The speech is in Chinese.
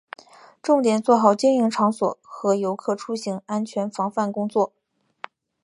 重点做好经营场所和游客出行安全防范工作